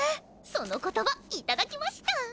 その言葉いただきました！